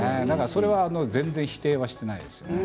それは全然否定はしていないです。